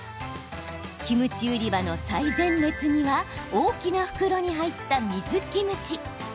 キムチ売り場の最前列には大きな袋に入った水キムチ。